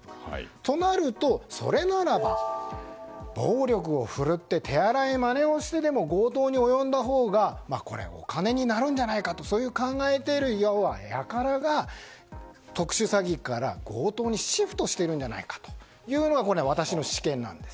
となると、それならば暴力を振るって手荒いまねをしてでも強盗に及んだほうがお金になるんじゃないかとそう考えている輩が特殊詐欺から強盗にシフトしているんじゃないかというのが私の私見なんです。